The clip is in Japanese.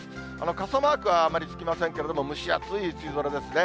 傘マークはあまりつきませんけれども、蒸し暑い梅雨空ですね。